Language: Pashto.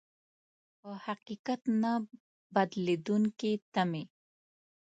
په حقيقت نه بدلېدونکې تمې.